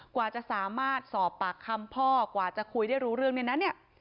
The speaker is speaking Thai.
กว่าจะสามารถสอบปากคำพ่อกว่าจะคุยได้รู้เรื่องเนี่ยนะเนี่ย